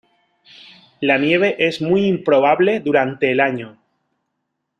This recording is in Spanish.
La nieve es muy improbable durante el año.